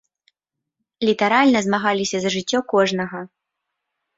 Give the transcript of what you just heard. Літаральна змагаліся за жыццё кожнага.